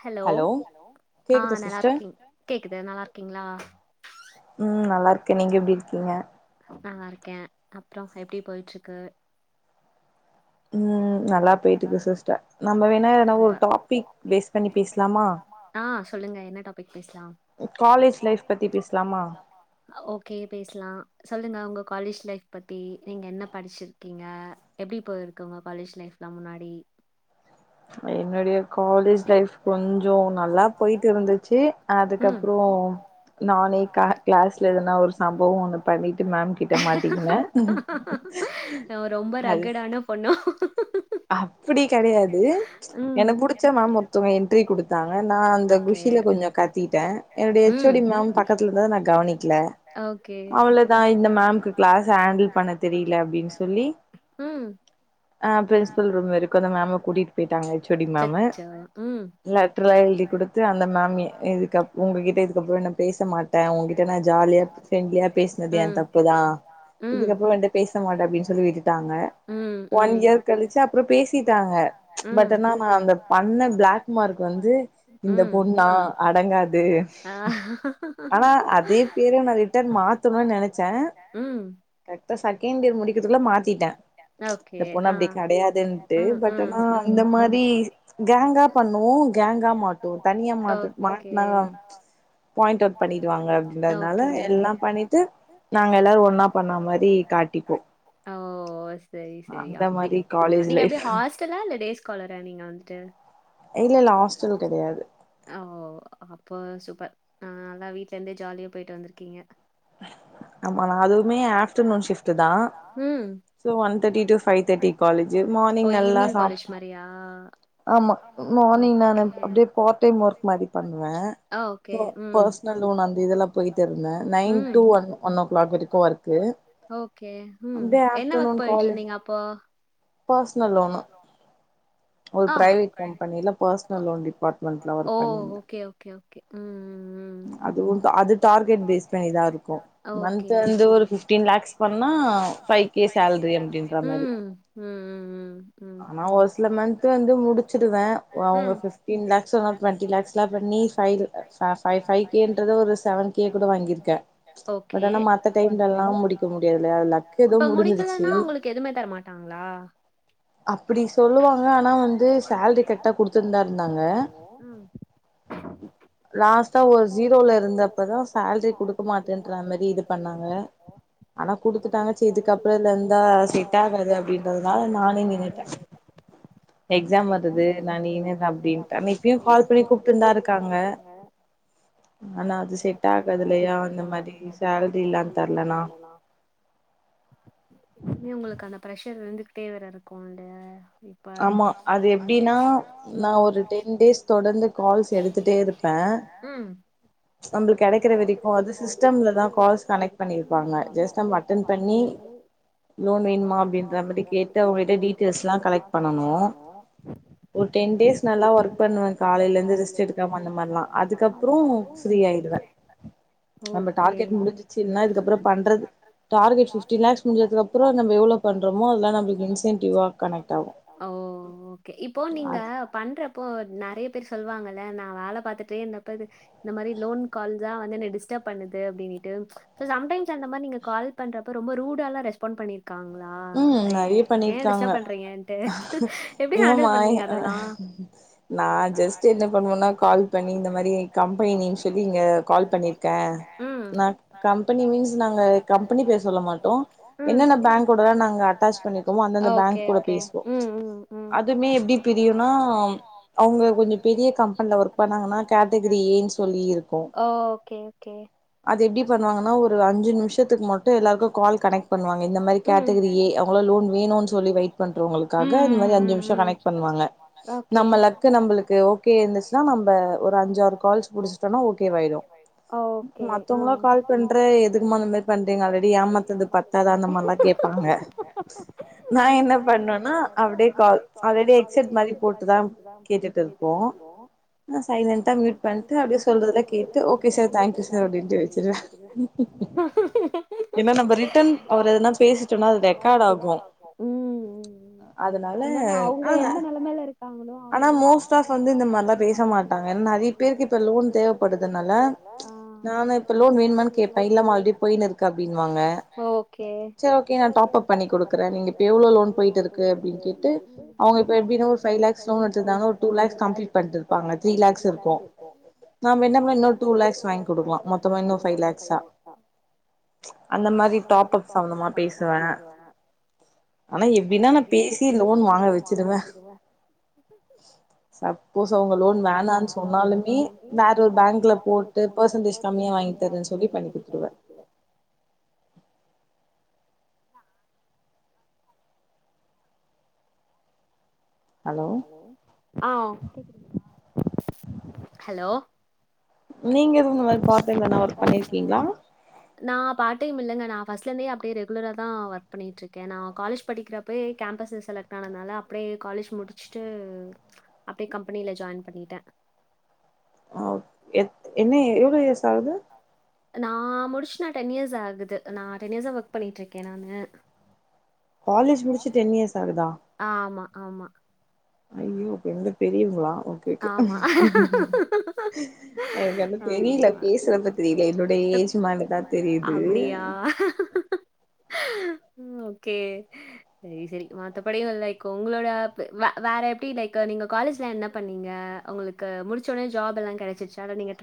hello ஆ நல்லா இருக்கீங் கேக்குது நல்லா இருக்கீங்ளா ம் நல்லா இருக்கே நீங்க எப்டி இருக்கீங்க நல்லா இருக்கே அப்றொ எப்டி போய்ட்ருக்கு ம் நல்லா போய்ட்ருக்கு சிஸ்டர் நம்ப வேணா எதனா ஒரு டாப்பிக் பேஸ் பண்ணி பேசலாமா சொல்லுங்க என்ன டாபிக் பேஸ்லா ஓகே பேஸ்லா சொல்லுங்க உங்க காலேஜ் லைஃப் பத்தி நீங்க என்ன படிச்சிருக்கீங்க எப்டி போயிருக்கு உங்க காலேஜ் லைஃப் லா முன்னாடி என்னுடைய காலேஜ் லைஃப் கொஞ்சொ நல்லா போயிட்டு இருந்துச்சு அதுக்கப்றொ நானே கா க்ளாஸ்ல எதனா ஒரு சம்பவொ ஒண்ணு பண்ணிட்டு மேம் கிட்ட மாட்டிக்கின ரொம்ப ரக்கடான பொண்ணோ அப்டி கெடையாது எனக் புடிச்ச மேம் ஒர் த்தங்க என்ட்ரி குடுத்தாங்க நா அந்த குஷில கொஞ்சொ கத்திட்ட என்னோடைய எச் ஓ டி மேம் பக்கத்துலந்தத நா க வனிக்ல அவ்ளதா இந்த மேம்க்கு க்ளாஸ் ஹேண்டில் பண்ண தெரில அப்டின் சொல்லி ம் ப்ரின்ஸ்பல் ரூம் வரிக்கு அந்த மேம கூட்டிட்டு போயிட்டாங்க எச் ஓ டி மேமு லெட்ரல்லா எழுதி குடுத்து அந்த மேம்ய இதுக்கப் உங்கக்கிட்ட இதுக்கப்றொ நா பேச மாட்ட உங்கிட்ட நா ஜாலியா ஃப்ரெண்ட்லியா பேஸ்ன து ஏந் தப்புதா இதுக்கப்றொ ஓங்ட்ட பேச மாட்ட அப்டின் சொல்லி விட்டுட்டாங்க ஒன் இயர் கழிச் அப்றொ பேசிட்டாங்க பட் ஆனா நா அந்த பண்ண ப்ளாக் மார்க் வந்து இந்த பொண்ணா அடங்காது ஆனா அதே பேரு நா ரிட்டன் மா மாத்தனூன் நெனச்ச கரெக்டா செகண்ட் இயர் முடிக்கிறதுக்குள்ள மாத்திட்ட இந்த பொ ஆ ண்ணுண்ட்டு பட் ஆனா இந்த மாதிரி கேங்கா பண்ணுவோ கேங்கா மாட்டுவோ தனியா மாட் டு மாட்னா பாயிண்ட் அவுட் பண்ணிடுவாங்க அப்டின்றதுனால எல்லா பண்ணிட்டு ஓ சேரி சேரி அப்டி ஆ நீங்க எப்டி ஹாஸ்டலா இல்ல டேஸ்காலரா நீங்க வந்துட்டு அ ஓ அப்ப சூப்பர் ஆ அதா வீட்லருந்தே ஜாலியா போயிட்டு வந்துருக்கீங்க ஆம்மாமா அதுவுமே ஆஃப்டர்னூன் ஷிஃப்டுதா சோ ஒன் தேட்டி டூ ஃபை தேட்டி ஓ ஈவ்னிங் காலேஜ் மாரியா ஆமா மார்னிங் நானு அப்டே பார்ட் டைம் ஒர்க் மாதிரி பண்ணுவே ப பேர்ஸ்னல் லோன் அந்த இதெல்லா போய்த்திருட்னே நைய்ன் ஓகே ம் என்ன ஒர்க் பண்ணிட்ருந்தீங்க அப்போ பேர்ஸ்னல் லோனு ஆ ஓ ஓகே ஓகே ஓகே ம் ம் அதுவுதா அது டார்கெட் பேஸ்தா இதா இருக்கு மந்த்து வந்து ஒரு ஃபிஃப்டீன்லாக்ஸ் பண்ணா ம் ம் ம் ம் ம் க்கு வந்து முடிச்சுருவ வா அவுங்க ஃபிஃப்டீன் லேக்ஸு டுவென்ட்டி லாக்ஸ்லா பண்ணி ஃபைல்லு அ ஆ ஃபை ஃபைக்கேன்றதே ஒரு சவன் கே கூட வாங்கிருக்க பட் ஆனா மத்த டைம்லல்லா முடிக்க முடியாதுல இப்ப முடிக்கலனா உங்களுக்கு எதுமே தரமாட்டாங்ளா அப்டி சொல்லுவாங்க ஆனா வந்து சேல்ரி கர்ட்டா குடுத்துர்ந்தா இருந்தாங்க லாஸ் ட்டா ஒரு ஸுரோல இருந்தப்பதா சேல்ரி குடுக்க மாட்டேன்றா மாரி இது பண்ணாங்க ஆனா குடுத்துட்டாங்க சேர் இதுக்கப்ற இதுல இருந்தா செட் ஆகாது அப்டின்றதுனால நானே நின்னுட்டே எக்ஸாம் வருது நானு என்னது அப்டின்ட்டு மே இப்பையு கால் பண்ணி கூப்ட்டுன்தா இருக்காங்க ஆனா அது செட் ஆகதுல்லையா அந்த மாரி சேல்ரீல்லா தர்லனா மே உங்களுக்கு அந்த ப்ரெஷர் இருந்துக்கிட்டே வேற இருக்குன்டு இப்ப அது எப்டினா நா ஒரு டென் டேஸ் தொடர்ந்து கால்ஸ் எடுத்துட்டே இருப்பே நம்பளுக் கெடைக்கிற வரைக்கு அது சிஸ்டம்ல தா கால்ஸ் கனெக்ட் பண்ணிருப்பாங்க ஜஸ்ட் நம் அட்டன் பண்ணி லோன் வேணுமா அப்டின்ற மாரி கேட்டு அவுங்கிட்ட டீட்டெயல்ஸ்லா கலெக் பண்ணணு ஒரு டென் டேஸ் நல்லா ஒர்க் பண்ணுவே காலேல இருந்து ரெஸ்ட் எடுக்காம அந்த மார்லா அதுக்கப்று ஃப்ரீ ஆய்டுவ நம்ம டார்கெட் முடிஞ்சுசின்னா இதுக்கப்புறோ பண்றது டார்கெட் ஃப்டீன்லாக்ஸ் முஞ்சதுக்கப்புறோ நம்ம எவ்ளோ பண்றமோ அதுல்லா நம்ளுக்கு இன்சென்டிவா கனெக்ட் ஆகு அ ஓ ஓகே இப்போ நீங்க பண்ற ப்போ நெறைய பேரு சொல்வாங்கல்ல நா வேல பாத்துட்டே இந்தா ஒக்காந்து இந்த மாரி லோன் கால்ஸா வந்து என்னை டிஸ்டப் தா பண்ணுது அப்டினீட்டு சோ சம்டைம்ஸ் அந்த மாரி நீங்க கால் பண்றப்ப ரொம்ப ரூடாலா ரெஸ்பான்ட் பண்ணிரு க்காங்ளா ஏ ஏ டிஸ்டப் பண்றீங்கன் ஏமா நா ஜஸ்ட்டு என்ன பண்ணுவன்னா கால் பண்ணி இந்த மாரி எ கம்பெனி நேம் சொல்லி இங்க கால் பண்ணிருக்கே நா கம்பெனி மீன்ஸ் நாங்க கம்பெனி பேர் சொல்ல மாட்டோ என்னென்ன பேங்க் கூடலா நாங்க அட்டாச் பண்ணிற்கோமோ அந்தந்த பேங்க் கூட பேசுவோ அதுமே எப்டி தெரியுனா அவுங்க கொஞ்சொ பெரிய கம்பென்ல ஒர்க் பண்ணாங்கனா கேட்டகிரி ன் சொல்லி இருக்கு அது எப்டி பண்ணுவாங்கனா ஒரு அஞ்சு நிம்ஷத்துக் மட்டு எல்லாருக்கு கால் கனெக்ட் பண்ணுவாங்க இந்த மாரி கேட்டகிரியே அவுங்களா லோன் வேணுன் சொல்லி வெய்ட் பண்றவுங்களுக் காக இந்த மாரி அஞ்சு நிம்ஷ கனெக்ட் பண்ணுவாங்க நம்ம லக்கு நம்பளுக்கு ஓகே இருந்துச்னா நம்ப ஒ ரு அஞ்சாறு கால்ஸ் முடிச்சுடனா ஓகேவாய்ரு மத்தவ்ங்ளா கால் பண்ற எதுக்குமா நம் வெயிட் ப பண்றீங்க ஆல்ரெடி ஏமாத்துனது பத்தாதா அந்த மார்லா கேப்பாங்க நா என்ன பண்ணு பண்ணுவனா அப்டே கால் ஆல்ரெடி ஹெட்செட் மாரி போட்டுதா கேட்டுட்ருப்போ நா சைலண்ட்டா மியூட் பண்ட்டு அப்டே சொல்றதுலா கேட்டு ஓகே சார் தேங்க்யூ சார் அப்டின்ட்டு வெச்சிருவே ஏனா நம்ப ரிட்டன் அவரு எதுனா பேசி சொ ம்ம் ம் ம் இன்னொன்னு அவுங்க என்ன நெலமேல இருக்காங்களோ ஆனா மோஸ்ட் ஆஃப் வந்து இந்த மார்லா பேச மாட்டாங்க நறிய பேருக்கு இப்ப லோன் தேவப்படுதுனல நானு இப்ப லோன் வேணுமானு கேப்பேன் இல்லமா ஆல்ரெடி போயினு இருக்கு அப்படின்வாங்க சரி ஓகே டாப்பப் பண்ணிக் குடுக்குரன் நீங்க ப்போ எவ்ளோ லோன் போய்ட்டு இருக்கு இருக்கு [unintelligible] அவுங்க இப்ப எப்டினோ பை லக்ஸ் [unintelligible] ஒரு டூ லக்ஸ் [unintelligible] த்ரீ லக்ஸ் இருக்கூ நாம என்னபன்னனு இன்னே டூ லக்ஸ் வாங்கி குடுக்லா மொத்தமா இன்னு ஃபைவ் லேக்ஸா அந்த மாரி டாப்பப்ஸ் சம்மந்தமா பேசுவ ஆனா எப்டின்னா எப்டினா நா பேசி லோன் வாங்க வெச்சிருவ சப்போஸ் அவுங்க லோன் வேணான் சொன்னாலுமே வேற ஒரு பேங்க்ல போட்டு பெர்சன்டேஜ் கம்மியா கம்மியா வாங்கி தாரேன் சொல்லி பண்ணி குடுத்துருவ ஆ கேக்குதுங்களா ஹலோ நீங்க எதுவு இந்த மாரி பார்ட் டைம் வேனா ஒர்க் பண்ணிருக்கீங்ளா ஃபஸ்ட்லந்தே அப்டியே ரெகுலரா தான் ஒர்க பண்ணிட்ருக்கேன் நா காலேஜ் படிக்கரப்பே கேம்பஸ்ல செலக்ட் ஆனதுனால அப்டியே காலேஜ் முடிச்சுட்டு அப்டியே கம்பெனில ஜாயின் பண்ணிட்டேன் ஆ எத் என்ன எவ்ளோ இயர்ஸ் ஆகுது நா முடிச்சு நா டென் இயர்ஸ் ஆகுது நா டென் இயர்ஸ் ஆ ஒர்க் பண்ணிட்டு இருக்கேன் நானு காலேஜ் முடிச்சு டென் இயர்ஸ் ஆகுதா ஐயோ அப்ப என்ன விட பெரியவங்ளா ஓகே ஓகே எனக்கு அது தெரியில பேசுறப்ப தெரியல என்னுடைய ஏஜ் மாரி தான் தெரியுது ஆ ம் ஓகே சரி சரி மத்தபடி லைக் உங்களோட அப் வேற எப்டி லைக் ப்ப நீங்க காலேஜ்ல என்ன பண்ணீங்க உங்களுக்கு முடிச்ச உடனே ஜாப் எல்லா கிடைச்சிருச்சா இல்ல நீங்க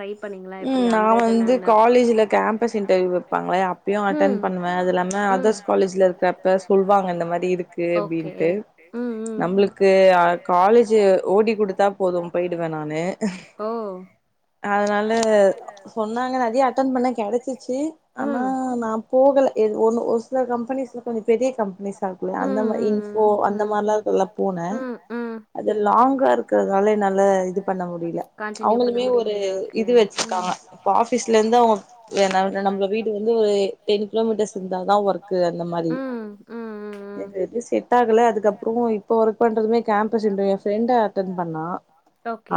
ம் நா வந்து காலேஜ்ல கேம்பஸ் இன்டர்வியூ வைப்பாங்ளே அப்பயும் அட்டன் பண்ணுவ அதுல நம்ம அதர்ஸ் காலேஜ்ல இருக்கிறப்ப சொல்வாங்க இந்த மாரி இருக்கு அப்படின்ட்டு நம்பளுக்கு இது அ காலேஜு ஓடி குடுத்தா போதும் போயிடுவேன் நானு அதனால த சொன்னாங்க அதே அட்டன் பண்ண கெடச்சிச்சு ஆனா நா போகல எ ஒ ஒரு சில கம்பெனிஸ்ல கொஞ்ச பெரிய கம்பெனிஸா இருக்குல்ல அந்த மா இன் ஃபோ அந்த மாரிலா இருகுல்ல போன அது லாங்கா இருக்கறதனால என்னால இது பண்ண முடியில அவுங்களுமே ஒரு இது வச்சிருக்காங்க இப்ப ஆபீஸ்ல இருந்து அவுங்க நம்ப வீடு வந்து ஒரு டென் கிலோமீட்டர்ஸ் இருந் தாதான் ஒர்க்கு அந்த மாரி எனக்கு செட் ஆகல அதுக்கப்புறோ இப்ப ஒர்க் பண்றது கேம்பஸ் இன்டர்வியூ என் ஃப்ரண்டு அட்டன் பண்ணா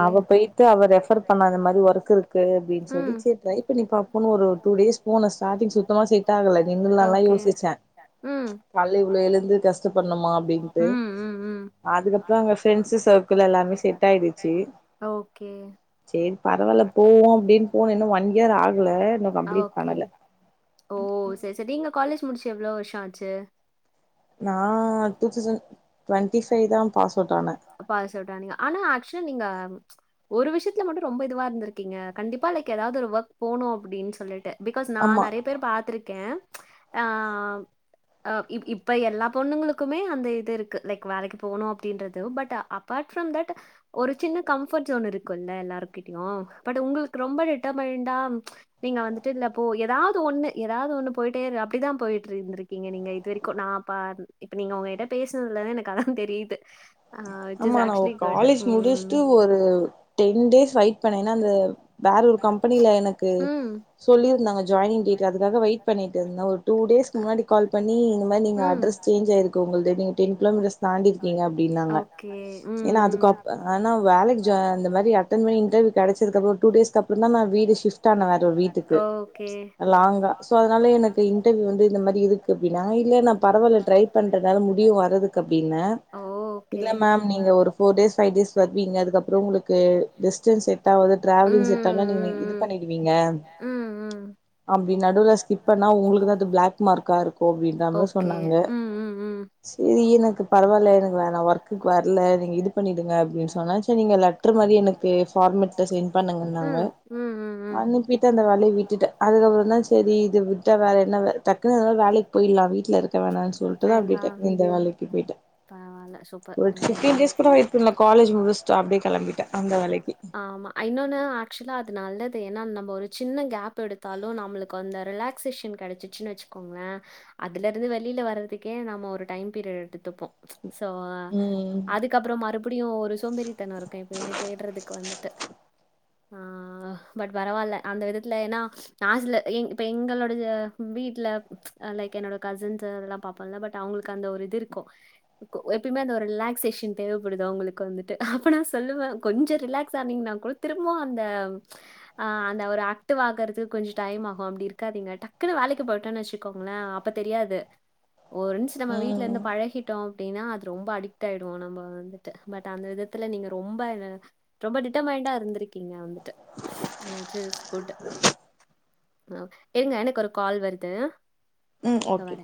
அவ பேய்ட்டு அவ ரெஃபர் பண்ணாத மாரி ஒரு கு இருக்கு அப்டின் சொல்லி செர் ட்ரை பண்ணி பாப்போனு ஒரு டூ டேஸ் போன ஸ்டார்ட்டிங்சுத்தமா செட் ஆகல [unintelligible] நல்லா யோசிச்ச கால்ல இவ்ளோ எழுந்து கஷ்டப்பண்ணுமா அப்டின்ட்டு அதுக்கப்புற அங்க ஃப்ரெண்ட்ஸு சர்க்கிள் எல்லாம் ஓகே போவோம் அப்டின் போன இன்னும் ஒன் இயர் ஆகல இன்னும் கம்ப்ளீட் பண்ணல ஓ சரி சரி நீங்க காலேஜ் முடிச்சு எவ்ளோ வருஷ ஆச்சு நா டூ தௌசண்ட் பா சொல்றாங்க ஆனா ஆக்சுல நீங்க ஒரு விஷயத்துல மட்டு ரொம்ப இதுவா இருந்திருக்கீங்க கண்டிப்பா லைக் ஏதாவ்து ஒரு ஒர்க் போணு அப்டின் சொல்லிட்டு பிகாஸ் நா நறைய பேர் பாத்துருக்கேன் ஆ அ இப்ப எல்லா பொண்ணுங்களுக்குமே அந்த இது இருக்கு லைக் வேலக்கி போகணு அப்டின்றது பட் அபார்ட் ஃப்ரம் தட் ஒரு சின்ன கம்ஃபர்ட் சோன் இருக்குல்ல எல்லாருக் ளயு பட் உங்களுக்கு ரொம்ப டிட்டர்மைன்டா நீங்க வந்துட்டு இல்லப்போ ஏதாவ்து ஒண்ணு ஏதாவ்து ஒ இன்னு போய்ட்டே இரு அப்டிதா போய்ட்ருந்துருக்கீங்க நீங்க இது வெரிக்கு நா பாத்துது இப்ப நீங்க உங்ககிட்ட பேசுன்துல எனக் கதா தெரியிது ஆமா நா ஒ காலேஜ் முடிஷ்ட்டு ஒரு டென் டேஸ் வெயிட் பண்ணே ஏன்னா அந்த வேற ஒரு கம்பெனில எனக்கு சொல்லிருந்தாங்க ஜாய்னிங் டேட்டு அதுக்காக வெய்ட் பண்ணிட் இருந்த ஒரு டூ டேஸ்க்கு முன்னாடி கால் பன்னி இந்த மார் நீங்க அட்ரஸ் சேஞ் ஆய்ருக் கு உங்கள்து நீங் டென் கிலோமீட்டஸ் தாண்டி இருக்கீங்க அப்டின்னாங்க ஏனா அதுக்கப் ஆனா வேலைக் ஜா அந்த மாரி அட்டன் பண்ணி இன்டர்வ்யூ கெடச்சதுக்கு அப்றோ ஒரு டூ டேஸ்க் அப்றோ தா நா வீடு ஷிஃப்ட் ஆன வேற ஒரு வீட்டுக்கு லாங்கா சோ அதனால எனக்கு இன்டர்வ்யூ வந்து இந்த மாரி இது இருக்கு அப்டினா நா இல்ல நா பரவால்ல ட்ரை பண்ற என்னால முடியு வரதுக்கு அப்டின இல்ல மேம் நீங்க ஒரு ஃபோர் டேஸ் ஃபைவ் டேஸ் வர்வீங்க அதுக்கப்றோ உங்குளுக்கு டிஸ்டன்ஸ் செட் ஆவாது ட்ராவ்லிங் செட் ஆல்னா நீங்க இது பண்ணிடுவீங்க ம் ம் அப்டி நடுவுல ஸ்கிப் பண்ணா உங்களுக்குதா அது பிளக் மார்க்கா இருக்கு‌ அப்டின்ற மாரி சொன்னாங்க சேரி எனக்கு பரவால்ல எனக்கு வேணா ஒர்க்கு இல்ல நீங்க இது பண்ணிடுங்க அப்டின் சொன்ன செரி நீங்க லெட்ரு மாரி எனக்கு ஃபார்மட்டு சென் பண்ணுங்கன்னாங்க அனுப்பிட்டு அந்த வேலய விட்டுட்ட அதுக்கப்புறோந்தா சேரி இத விட்டா வேற என்ன வே டக்குனு எதனா ஒரு வேலைக் போயில்லா வீட்ல இருக்க வேணான் சொல்ட்டுதா அப்டே டக்குன் இந்த வேலைக்கு போய்டே பரவால்ல சூப் ஒரு பிஃப்டின் டேஸ் கூட வெய்ட் பண்ல காலேஜ் முடிஷ்ட்டு அப்டே கெளம்பிட்ட அந்த வேலைக்கி ஆக்சுலா அது நல்ல து ஏனா நம்ம ஒரு சின்ன கேப் எடுத்தாலு நம்ளுக்கு அந்த ரிலாக்சேஷன் கெடச்சிச்சுன் வெச்சுக்கோங்ள அதுல இருந்து வெளில வர்றதுக்கே நம்ம ஒரு டைம் பீரியட் எடுத்துப்போ சோ அதுக்கப்புறோ மறுபிடியு ஒரு சோம்பறித்தனோ இருக்கு எப்பயுமே தேட்றறதுக்கு வந்துட்டு ஆ பட் பரவால்ல அந்த விதத்ல ஏனா நாஸ்ல இ இப்ப எங்களோடது வீட்ல லைக் என்னோட கசின்ஸு அதெல்லா பாப்போல்ல பட் அவுங்களுக் அந்த ஒரு இது இருக்கு கோ எப்பயுமே அந்த ஒரு ரிலாக்சேஷன் தேவப்படுது அவுங்களுக் வந்துட்டு அப்ப நா சொல்லுவ கொஞ்சோ ரிலாக்ஸ் ஆனீங்னா [unintelligible] திரும்பவு அந்த அ அந்த ஒரு ஆக்டிவ் ஆகறதுக் கொஞ்சு டைம் ஆகு அப்டி இருக்காதீங்க டக் டக்குனு வேலைக்கு போய்ட்டோன் வெச்சுக்கோங்கள அப்ப தெரியாது ஒரு [unintelligible] நம்ம வீட்ல இருந்து பழகிட்டோ னா அது ரொம்ப அடிக்ட் ஆய்டுவோ நம்ப வந்துட்டு பட் அந்த விதத்துல நீங்க ரொம்ப [unintelligible] ரொம்ப டிடமைண்டா இருந்திருக்கீங்க வந்துட்டு ம் இட் இஸ் குட்டு அ இருங்க எனக்கு ஒரு கால் வருது ம் ஓகே